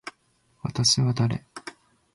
私は誰。